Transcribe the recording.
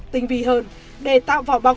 tình vì hơn để tạo vỏ bọc